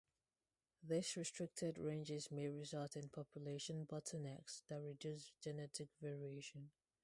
These restricted ranges may result in population bottlenecks that reduce genetic variation.